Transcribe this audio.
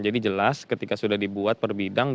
jadi jelas ketika sudah dibuat per bidang